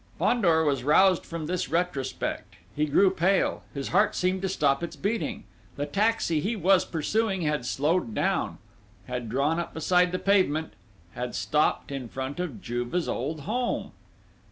Fandor was roused from this retrospect: he grew pale, his heart seemed to stop its beating: the taxi he was pursuing had slowed down had drawn up beside the pavement had stopped in front of Juve's old home!